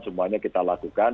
semuanya kita lakukan